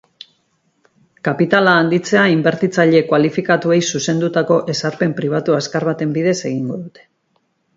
Kapitala handitzea inbertitzaile kualifikatuei zuzendutako ezarpen pribatu azkar baten bidez egingo dute.